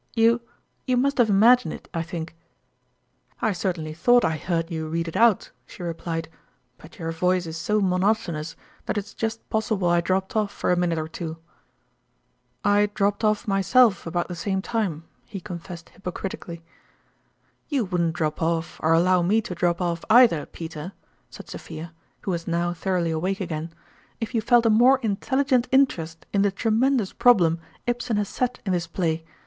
You you must have imagined it, I think !" "I certainly thought I heard you read it out," she replied ;" but your voice is so mo notonous, that it's just possible I dropped off for a minute or two." " I dropped off myself about the same time," he confessed hypocritically. " You wouldn't drop off, or allow me to drop off either, Peter," said Sophia, who was now thoroughly awake again, "if you felt a more intelligent interest in the tremendous problem Ibsen has set in this play.